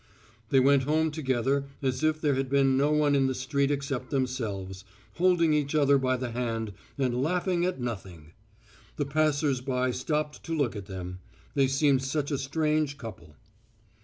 They went home together as if there had been no one in the street except themselves, holding each other by the hand and laughing at nothing. The passers by stopped to look at them; they seemed such a strange couple.